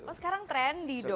oh sekarang trendy dong